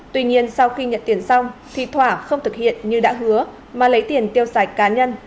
tuy nhiên sau khi nhận tiền xong thì thỏa không thực hiện như đã hứa mà lấy tiền tiêu xài cá nhân